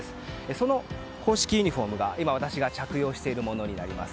その公式ユニホームが今、私が着用しているものです。